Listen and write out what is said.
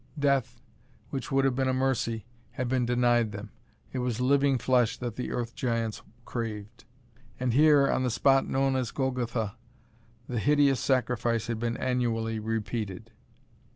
Death, which would have been a mercy, had been denied them. It was living flesh that the Earth Giants craved. And here, on the spot known as Golgotha, the hideous sacrifice had been annually repeated.